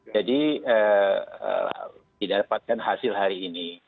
jadi didapatkan hasil hari ini